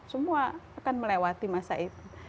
semua akan melewati masa itu